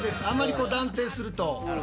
あんまりこう断定すると。